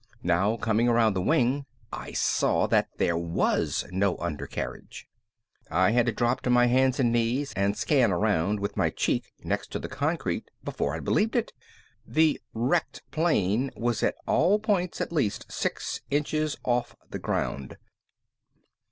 Now, coming around the wing, I saw that there was no undercarriage. I had to drop to my hands and knees and scan around with my cheek next to the concrete before I'd believe it. _The "wrecked" plane was at all points at least six inches off the ground.